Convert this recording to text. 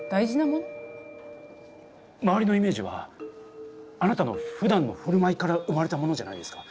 周りのイメージはあなたのふだんのふるまいから生まれたものじゃないですか。